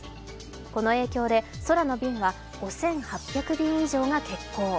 この影響で空の便は５８００便以上が欠航。